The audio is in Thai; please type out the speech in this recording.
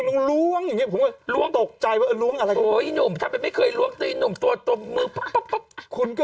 ก็ต้องล้วงอย่างเงี้ยผมว่าล้วงตกใจป่ะล้วงอะไรโอ้ยหลวงอะไร